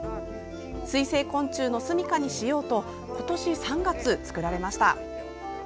水生昆虫のすみかにしようと今年３月、作られました。